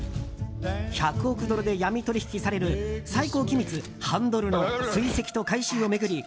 １００億ドルで闇取引される最高機密ハンドルの追跡と回収を巡り